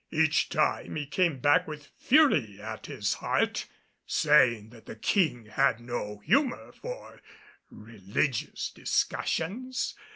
Each time he came back with fury at his heart, saying that the King had no humor for religious discussions.